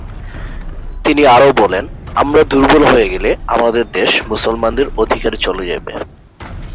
তিনি আরও বলেন, "আমরা দূর্বল হয়ে গেলে আমাদের দেশ মুসলমানদের অধিকারে চলে যাবে।"